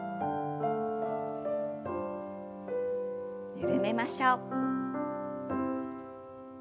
緩めましょう。